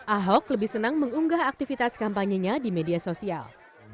ahok lebih senang mengunggah aktivitas kampanyenya di media sosial